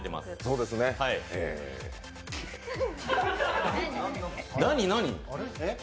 そうですね、ええ何、何？